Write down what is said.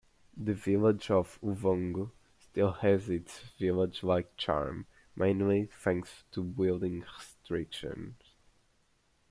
The village of Uvongo still has its village-like charm, mainly thanks to building restrictions.